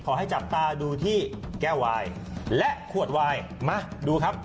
ขอให้จับตาดูที่แก้ววายและขวดวายมาดูครับ